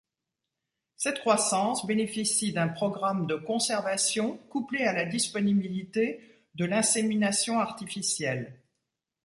Cette croissance bénéficie d'un programme de conservation couplé à la disponibilité de l'insémination artificielle.